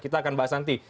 kita akan bahas nanti